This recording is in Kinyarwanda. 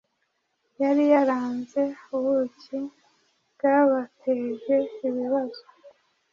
Yari yaranze ububi bwabateje ibibazo